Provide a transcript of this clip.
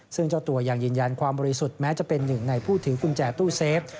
ซึ่งเจ้าตัวยังยืนยันความบริสุทธิ์แม้จะเป็นหนึ่งในผู้ถือกุญแจตู้เซฟ